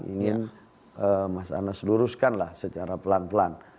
ingin mas anas luruskan lah secara pelan pelan